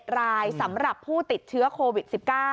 ๗รายสำหรับผู้ติดเชื้อโควิด๑๙